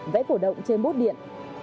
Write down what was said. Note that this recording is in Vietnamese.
vẽ cổ động trên bút điện